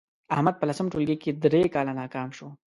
احمد په لسم ټولگي کې درې کاله ناکام شو